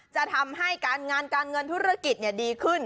จะทำให้การงานการเงินธุรกิจดีขึ้น